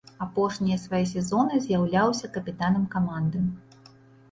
Апошнія свае сезоны з'яўляўся капітанам каманды.